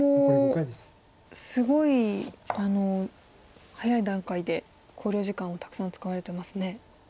すごい早い段階で考慮時間をたくさん使われてますね。